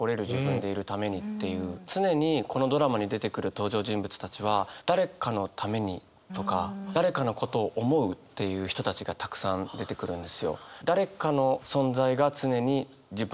常にこのドラマに出てくる登場人物たちは「誰かのために」とか「誰かのことを思う」っていう人たちがたくさん出てくるんですよ。